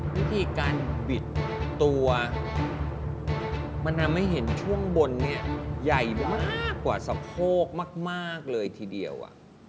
วิธีการบิดตัวมันทำให้เห็นช่วงบนเนี่ยใหญ่มากกว่าสะโพกมากเลยทีเดียว